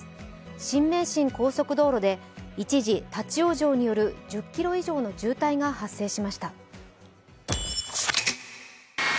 新名神高速道路で一時、立往生による１０ｋｍ以上の渋滞が発生しました。